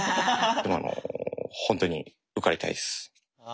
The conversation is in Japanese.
でもあの本当に受かりたいです。